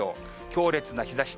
強烈な日ざし。